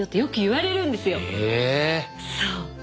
そう。